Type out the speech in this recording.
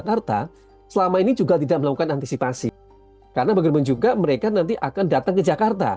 karena bagaimana juga mereka nanti akan datang ke jakarta